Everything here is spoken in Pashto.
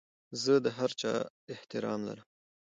زه د هر چا احترام لرم.